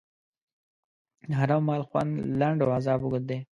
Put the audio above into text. د حرام مال خوند لنډ او عذاب اوږد دی.